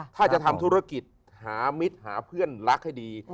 ถ้าจะทำธุรกิจหามิตรหาเพื่อนรักให้ดี